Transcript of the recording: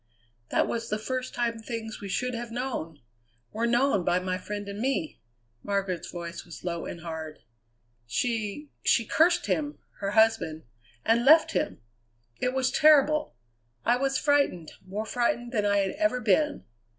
"That was the first time things we should have known were known by my friend and me!" Margaret's voice was low and hard. "She she cursed him, her husband and left him! It was terrible! I was frightened, more frightened than I had ever been.